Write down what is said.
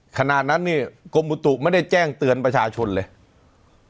ขณะนั้นเนี่ยกรมอุตุไม่ได้แจ้งเตือนประชาชนเลย